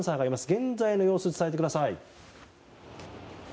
現在の様子を伝えてください。